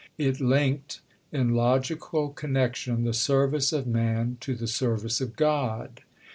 It linked, in logical connection, the service of man to the service of God.